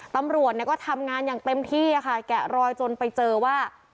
ตำรวจก็ทำงานอย่างเต็มที่ค่ะแกะรอยจนไปเจอว่า